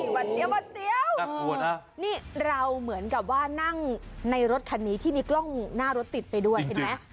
วัดเสียวบัตรเสียวนะนี่เราเหมือนกับว่านั่งในรถคันนี้ที่มีกล้องหน้ารถติดไปด้วยเห็นไหม